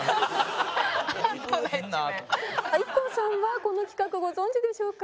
ＩＫＫＯさんはこの企画ご存じでしょうか？